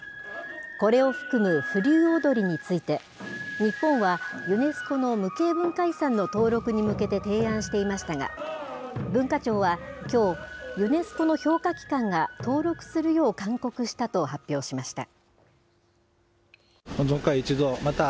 これを含む風流踊について、日本はユネスコの無形文化遺産の登録に向けて提案していましたが、文化庁はきょう、ユネスコの評価機関が登録するよう勧告したと発表しました。